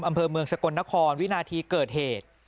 อำเภอเมืองสกลนครวินาทีเกิดเหตุ